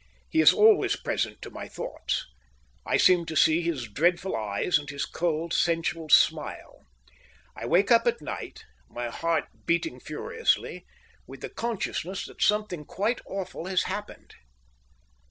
He is always present to my thoughts. I seem to see his dreadful eyes and his cold, sensual smile. I wake up at night, my heart beating furiously, with the consciousness that something quite awful has happened.